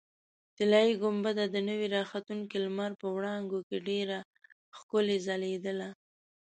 طلایي ګنبده د نوي راختونکي لمر په وړانګو کې ډېره ښکلې ځلېدله.